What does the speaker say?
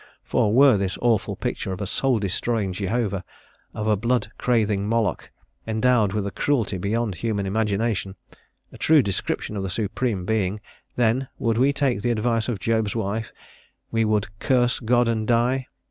For were this awful picture of a soul destroying Jehovah, of a blood craving Moloch, endowed with a cruelty beyond human imagination, a true description of the Supreme Being, then would we take the advice of Job's wife, we would "curse God and die?"